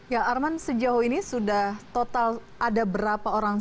ya arman sejauh ini sudah total ada berapa orang